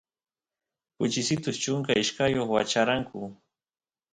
kuchisitus chunka ishkayoq wacharanku